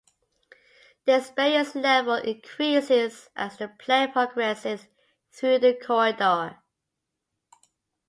Their experience level increases as the player progresses through the corridor.